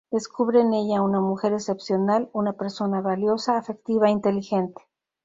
Descubre en ella a una mujer excepcional, una persona valiosa, afectiva e inteligente.